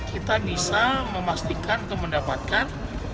kita bisa memastikan atau mendapatkan